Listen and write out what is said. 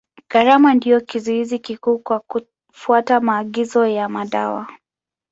Gharama ndio kizuizi kikuu kwa kufuata maagizo ya madawa.